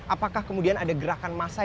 apakah kemudian ada gerakan massa